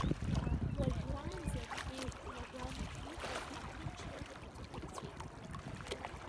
Уажәраанӡа еихәлагәан иҟаз аҭынчрагьы аҵыхәа ԥҵәеит.